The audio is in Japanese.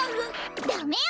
ダメよ！